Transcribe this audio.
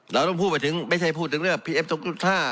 เราต้องพูดไปถึงไม่ใช่พูดถึงเรื่องพี่เอฟตรงจุดท่า